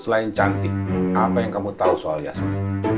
selain cantik apa yang kamu tau soal yasmin